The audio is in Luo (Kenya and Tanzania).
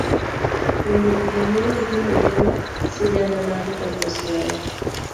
Wende bende miyo nyithindo ng'eyo sigana mar dhok oswayo.